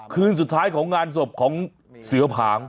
คืนสุดท้ายของงานศพของเสือผาง